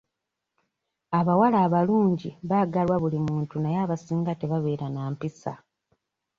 Abawala abalungi baagalwa buli muntu naye abasinga tebabeera na mpisa.